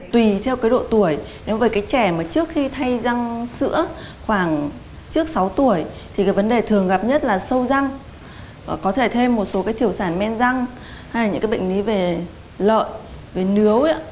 tùy theo độ tuổi nếu với trẻ trước khi thay răng sữa khoảng trước sáu tuổi thì vấn đề thường gặp nhất là sâu răng có thể thêm một số thiểu sản men răng hay là những bệnh lý về lợi về nướu